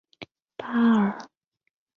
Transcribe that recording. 小鼩鼱为鼩鼱科鼩鼱属的动物。